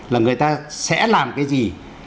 là người ta sẽ làm cái gì